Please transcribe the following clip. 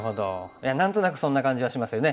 いや何となくそんな感じはしますよね。